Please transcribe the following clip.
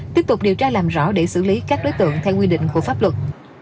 tiếp tục điều tra làm rõ để xử lý các đối tượng theo quy định của pháp luật